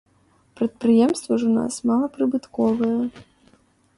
Прадпрыемствы ж у нас малапрыбытковыя.